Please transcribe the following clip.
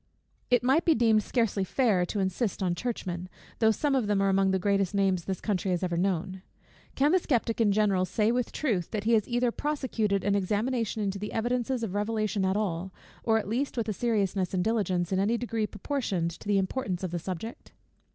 It might be deemed scarcely fair to insist on Churchmen, though some of them are among the greatest names this country has ever known. Can the sceptic in general say with truth, that he has either prosecuted an examination into the evidences of Revelation at all, or at least with a seriousness and diligence in any degree proportioned to the importance of the subject?